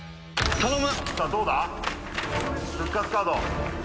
頼む。